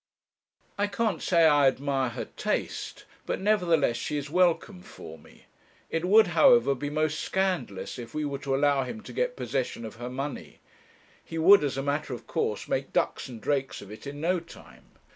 I can't say I admire her taste; but nevertheless she is welcome for me. It would, however, be most scandalous if we were to allow him to get possession of her money. He would, as a matter of course, make ducks and drakes of it in no time.